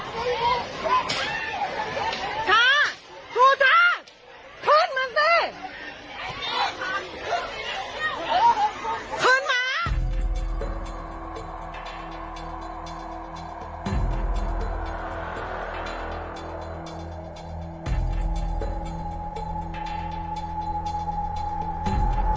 สุดท้ายสุดท้ายพื้นมันสิ